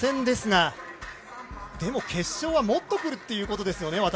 でも決勝はもっとくるっていうことですよね？